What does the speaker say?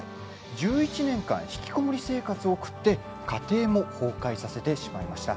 １１年間ひきこもり生活を送って家庭も崩壊させてしまいました。